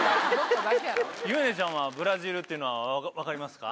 夢菜ちゃんはブラジルっていうのは分かりますか？